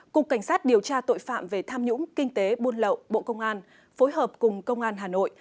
cục cảnh sát điều tra tội phạm về tham nhũng kinh tế buôn lậu bộ công an phối hợp cùng công an hà nội